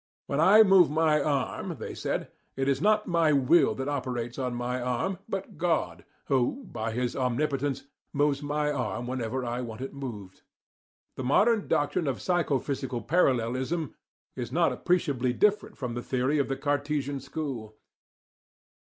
When I will to move my arm, they said, it is not my will that operates on my arm, but God, who, by His omnipotence, moves my arm whenever I want it moved. The modern doctrine of psychophysical parallelism is not appreciably different from this theory of the Cartesian school.